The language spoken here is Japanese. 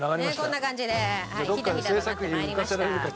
こんな感じでひたひたとなって参りました。